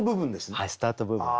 はいスタート部分の。